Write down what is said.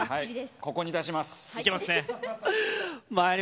ここに出します。